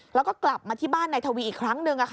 แล้วก็กลับมาที่บ้านนายทวีอีกครั้งหนึ่ง